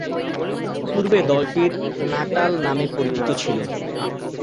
পূর্বে দলটি নাটাল নামে পরিচিত ছিল।